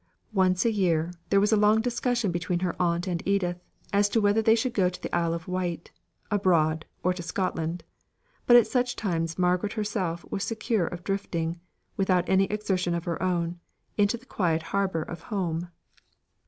Once a year, there was a long discussion between her aunt and Edith as to whether they should go to the Isle of Wight, abroad, or to Scotland; but at such times Margaret herself was secure of drifting, without any exertion of her own, into the quiet harbour of home.